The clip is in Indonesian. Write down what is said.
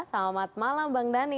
selamat malam bang dhanil